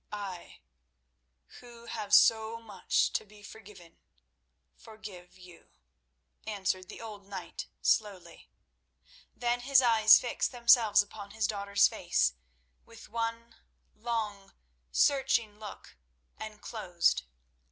"I, who have so much to be forgiven, forgive you," answered the old knight slowly. Then his eyes fixed themselves upon his daughter's face with one long, searching look, and closed.